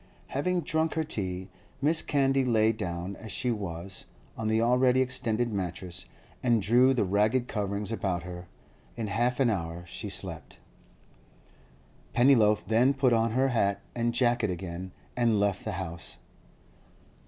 Having drunk her tea, Mrs. Candy lay down, as she was, on the already extended mattress, and drew the ragged coverings about her. In half an hour she slept. Pennyloaf then put on her hat and jacket again and left the house.